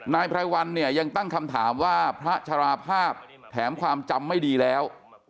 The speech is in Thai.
นายไพรวัลเนี่ยยังตั้งคำถามว่าพระชราภาพแถมความจำไม่ดีแล้ว